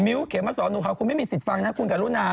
มิ้วเขียนมาสอนดูเขาคุณไม่มีสิทธิฟังนะคุณการุณา